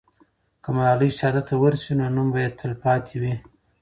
که ملالۍ شهادت ته ورسېږي، نو نوم به یې تل پاتې وي.